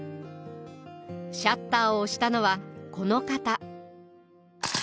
シャッターを押したのはこの方。